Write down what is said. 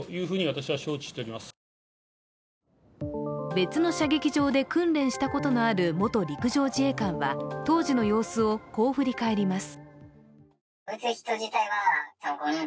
別の射撃場で訓練したことのある元陸上自衛隊官は当時の様子をこう振り返ります。